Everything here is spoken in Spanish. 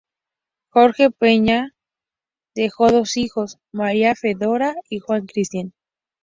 Jorge Peña Hen dejó dos hijos, María Fedora y Juan Cristián.